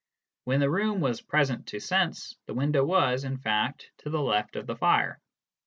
When the room was present to sense, the window was, in fact,, to the left of the fire.